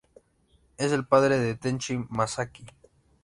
Es el padre de Tenchi Masaki.